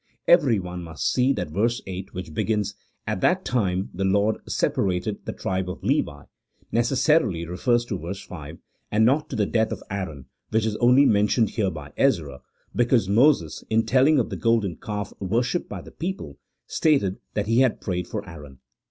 Every one must see that verse 8, which begins, " At that time the Lord separated the tribe of Levi," necessarily refers to verse 5, and not to the death of Aaron, which is only men tioned here by Ezra because Moses, in telling of the golden calf worshipped by the people, stated that he had prayed for Aaron.